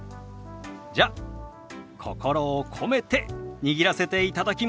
じゃ心を込めて握らせていただきます。